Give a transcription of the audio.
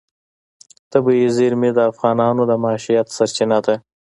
طبیعي زیرمې د افغانانو د معیشت سرچینه ده.